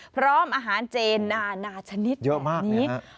พร้อมอาหารเจนานาชนิดแบบนี้